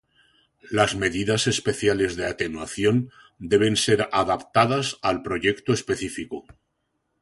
Las medidas especiales de atenuación, deben ser adaptadas al proyecto específico.